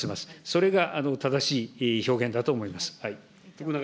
それが正しい表現だと思います。